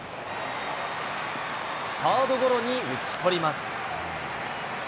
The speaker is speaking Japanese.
サードゴロに打ち取ります。